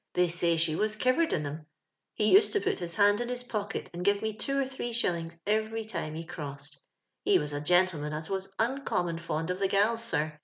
Thi y say she was kivore.d in 'era. He used to pu: his hand in his pocket and give me two (t three sliillings evcrv time he crossed. He was a gentleman as was uncommon fond of the gals, sir.